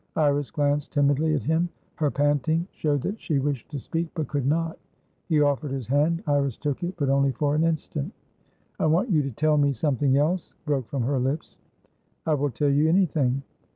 Iris glanced timidly at him; her panting showed that she wished to speak, but could not. He offered his hand; Iris took it, but only for an instant. "I want you to tell me something else," broke from her lips. "I will tell you anything."